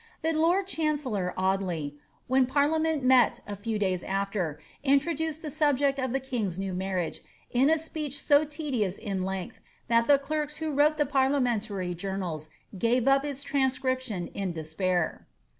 The lord chancellor Audley, when parliament met a few days after, introduced the subject of the king^s new marriage, in a speech so tedious in length, that the clerks who wrote the parliamentary journals gave up its transcription in despair.